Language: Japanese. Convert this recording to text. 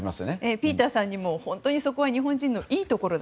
ピーターさんにもそこは日本人のいいところだ。